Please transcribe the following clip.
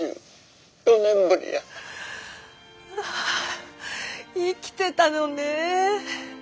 ああ生きてたのねえ。